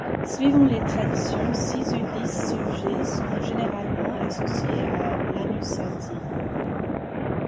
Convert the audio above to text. Suivant les traditions, six ou dix sujets sont généralement associés à l'anussati.